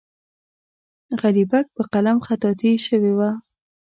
غریبک په قلم خطاطي شوې وه.